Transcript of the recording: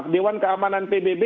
dewan keamanan pbb